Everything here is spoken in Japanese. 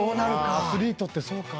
アスリートってそうか。